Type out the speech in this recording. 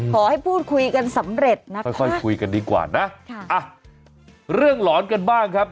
ขอให้พูดคุยกันสำเร็จนะคะค่อยค่อยคุยกันดีกว่านะค่ะอ่ะเรื่องหลอนกันบ้างครับ